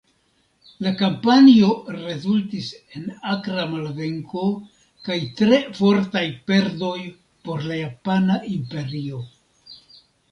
La kampanjo rezultis en akra malvenko kaj tre fortaj perdoj por la Japana Imperio.